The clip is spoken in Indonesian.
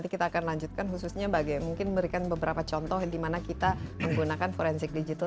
kita akan lanjutkan khususnya bagaimana mungkin memberikan beberapa contoh dimana kita menggunakan forensik digital